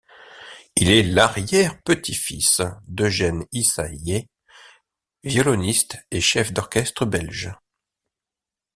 Il est l'arrière-petit-fils d'Eugène Ysaÿe, violoniste et chef d'orchestre belge.